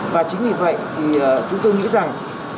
và chính vì vậy thì chúng tôi nghĩ rằng